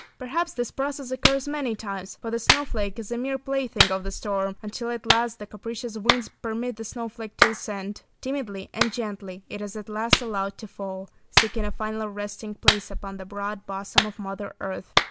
Perhaps this process occurs many times, for the snowflake is a mere plaything of the storm, until at last the capricious winds permit the snowflake to descend. Timidly and gently it is at last allowed to fall, seeking a final resting place upon the broad bosom of Mother Earth.